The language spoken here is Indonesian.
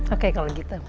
oke kalau gitu